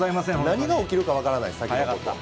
何が起きるか分からない、先のこと。